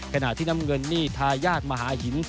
ขณะที่น้ำเงินนี่ทายาทมหาหิน